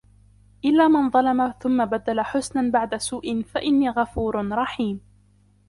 إِلّا مَن ظَلَمَ ثُمَّ بَدَّلَ حُسنًا بَعدَ سوءٍ فَإِنّي غَفورٌ رَحيمٌ